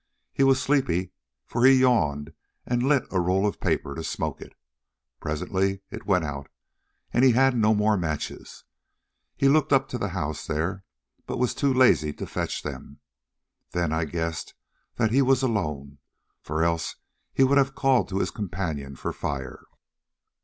He was sleepy, for he yawned and lit a roll of paper to smoke it. Presently it went out, and he had no more matches. He looked up to the house there, but was too lazy to fetch them; then I guessed that he was alone, for else he would have called to his companion for fire.